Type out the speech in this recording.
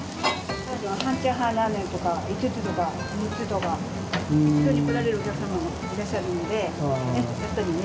半チャーハンラーメンとか５つとか６つとか一緒に来られるお客様もいらっしゃるのでやっぱりね